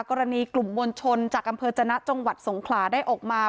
กรณีกลุ่มมวลชนจากอำเภอจนะจังหวัดสงขลาได้ออกมา